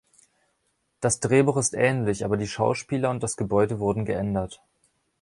Das Drehbuch ist ähnlich, aber die Schauspieler und das Gebäude wurden geändert.